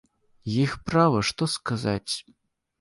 Іх права, што сказаць.